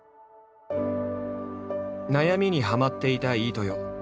悩みにはまっていた飯豊。